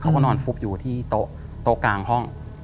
เขาก็นอนฟุบอยู่ที่โต๊ะกลางห้อง